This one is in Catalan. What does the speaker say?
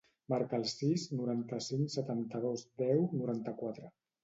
Marca el sis, noranta-cinc, setanta-dos, deu, noranta-quatre.